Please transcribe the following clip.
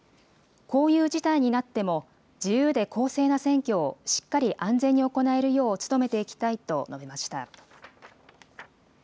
こういう事態になっても自由で公正な選挙をしっかり安全に行えるよう努めていきたいと述べました。